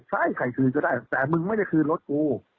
ใช่ใครคืนก็ได้แต่มึงไม่ได้คืนรถกู